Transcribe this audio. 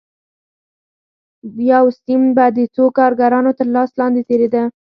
یو سیم به د څو کارګرانو تر لاس لاندې تېرېده